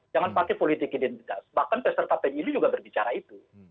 jangan pakai politik identitas bahkan peserta pemilu juga berbicara itu